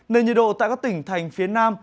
nên nhiệt độ tại các tỉnh thành phía nam